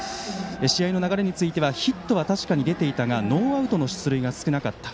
試合の流れについてはヒットは出ていたがノーアウトの出塁が少なかった。